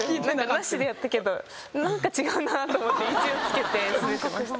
なしでやったけど何か違うなと思って一応つけて滑ってました。